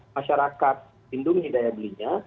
masyarakat lindungi daya belinya